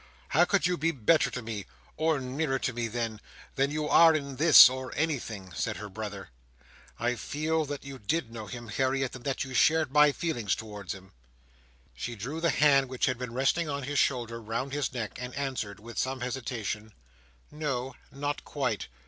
"How could you be better to me, or nearer to me then, than you are in this, or anything?" said her brother. "I feel that you did know him, Harriet, and that you shared my feelings towards him." She drew the hand which had been resting on his shoulder, round his neck, and answered, with some hesitation: "No, not quite."